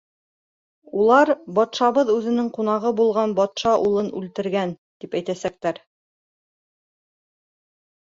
Улар, батшабыҙ үҙенең ҡунағы булған батша улын үлтергән, тип әйтәсәктәр.